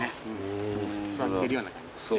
座ってるような感じですね。